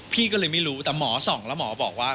พี่ก็เลยไม่รู้แต่หมอส่องแล้วหมอบอกว่า